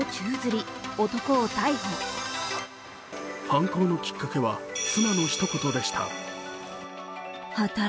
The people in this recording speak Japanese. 犯行のきっかけは妻のひと言でした。